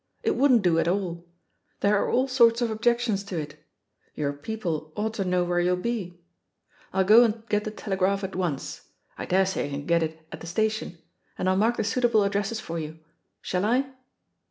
It wouldn't do at aU ; there are all sorts of objections to it — ^your people ought to know where you'll be. I'll go and get the Tele^ 188 THE POSITION OF PEGGY HARPER graph at once — I daresay I can get it at the station — ^and I'll mark the suitable addresses for you. Shall I?"